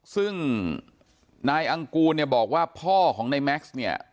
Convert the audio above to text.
ซึ่งนายอังกูลเนี่ยบอกว่าพ่อของในแม็กซ์เนี่ย